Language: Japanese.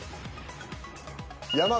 山内。